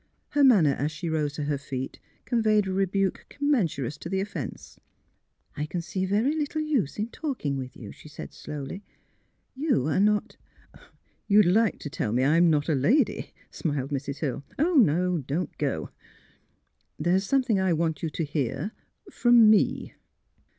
Her manner as she rose to her feet con veyed a rebuke commensurate to the offence. " I can see very little use in talking with you," she said, slowly. " You are not "You would like to tell me that I am not a lady, '' smiled Mrs. Hill. ''— No ; don 't go. There is something I want you to hear — from me."